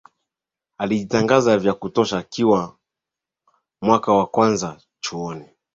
alijitangaza vya kutosha akiwa mwaka wa kwanza chuoni